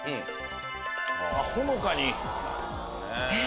ほのかに。